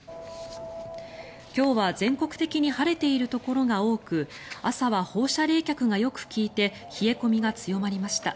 今日は全国的に晴れているところが多く朝は放射冷却がよく利いて冷え込みが強まりました。